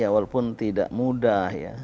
walaupun tidak mudah